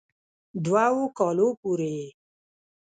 دوؤ کالو پورې ئې